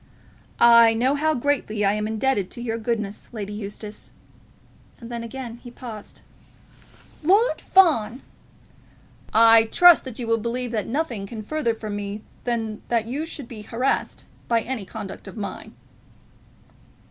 "I know how greatly I am indebted to your goodness, Lady Eustace " And then again he paused. "Lord Fawn!" "I trust you will believe that nothing can be further from me than that you should be harassed by any conduct of mine."